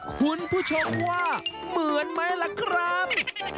คุณผู้ชมว่าเหมือนไหมล่ะครับ